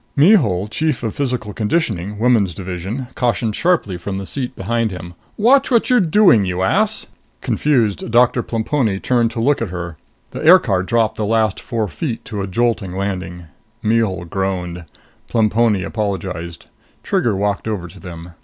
Mihul, Chief of Physical Conditioning, Women's Division, cautioned sharply from the seat behind him. "Watch what you're doing, you ass!" Confused, Doctor Plemponi turned to look at her. The aircar dropped the last four feet to a jolting landing. Mihul groaned. Plemponi apologized. Trigger walked over to them.